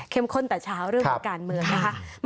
เข้มข้นแต่เช้าเรื่องการเมินนะ